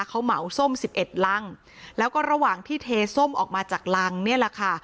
เขาเหมาส้มสิบเอ็ดรังแล้วก็ระหว่างที่เทส้มออกมาจากรังเนี่ยแหละค่ะ